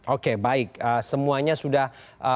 oke baik semuanya sudah